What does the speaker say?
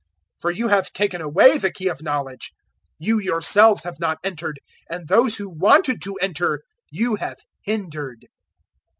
for you have taken away the key of knowledge: you yourselves have not entered, and those who wanted to enter you have hindered."